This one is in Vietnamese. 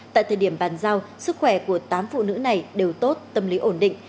tại thời điểm bàn giao sức khỏe của tám phụ nữ này đều tốt tâm lý ổn định